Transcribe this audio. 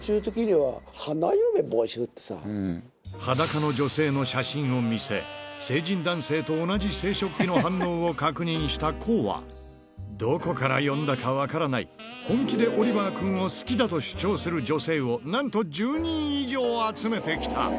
はだかの女性の写真を見せ、成人男性と同じ生殖器の反応を確認した康は、どこから呼んだか分からない、本気でオリバー君を好きだと主張する女性をなんと１０人以上集めてきた。